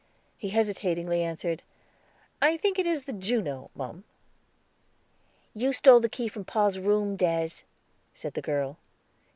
He hesitatingly answered, "I think it is the Juno, mum." "You stole the key from pa's room, Des," said the girl.